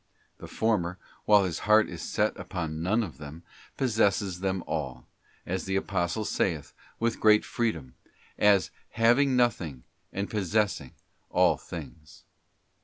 The former, while his heart is set upon none of them, possesses them all, as the Apostle saith, with great freedom: ' as having nothing, and possessing all things.